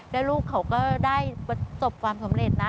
แล้วลูกเขาก็ได้ประสบความสำเร็จนะ